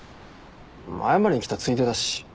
謝りに来たついでだし。